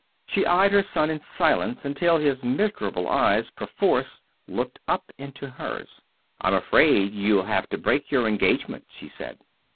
She eyed her son in silence until his miserable eyes, perforce, looked up into hers. "I'm afraid you'll have to break your engagement," she said.